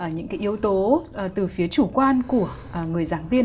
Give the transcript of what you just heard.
những cái yếu tố từ phía chủ quan của người giảng viên